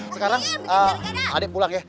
sekarang adik pulang ya